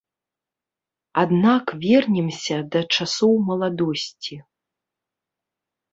Аднак вернемся да часоў маладосці.